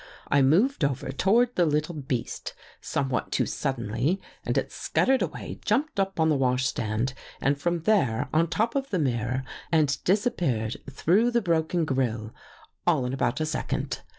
I moved over to ward the little beast somewhat too suddenly and it scuttered away, jumped up on the washstand and from there on top of the mirror and disappeared through the broken grille, all in about a second.